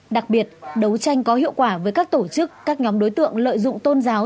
đặc biệt đấu tranh có hiệu quả với các tổ chức các nhóm đối tượng lợi dụng tôn giáo